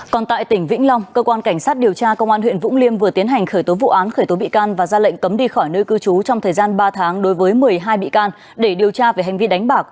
còn tại tỉnh vĩnh long cơ quan cảnh sát điều tra công an huyện vũng liêm vừa tiến hành khởi tố vụ án khởi tố bị can và ra lệnh cấm đi khỏi nơi cư trú trong thời gian ba tháng đối với một mươi hai bị can để điều tra về hành vi đánh bạc